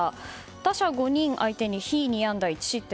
打者５人相手に被２安打１失点。